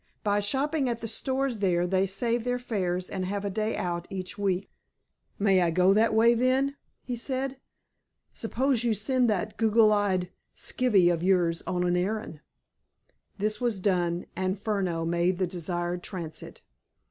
By shopping at the stores there, they save their fares, and have a day out each week." "May I go that way, then?" he said. "Suppose you send that goggle eyed skivvy of yours on an errand." This was done, and Furneaux made the desired transit.